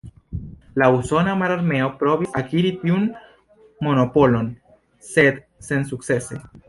La Usona Mararmeo provis akiri tiun monopolon, sed sensukcese.